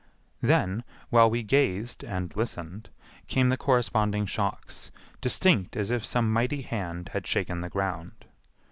Then, while we gazed and listened, came the corresponding shocks, distinct as if some mighty hand had shaken the ground.